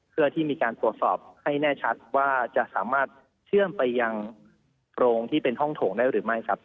เพื่อที่มีการตรวจสอบให้แน่ชัดว่าจะสามารถเชื่อมไปยังโพรงที่เป็นห้องโถงได้หรือไม่ครับ